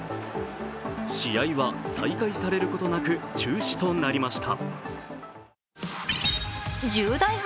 試合は再開されることなく中止となりました。